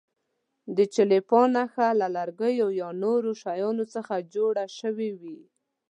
د چلیپا نښه له لرګیو یا نورو شیانو څخه جوړه شوې وي.